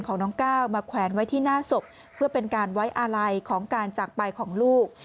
ของน้องก้าวมาแขวนไว้ที่หน้าศพเพื่อเป็นการไว้อาลัยของการจากไปของลูก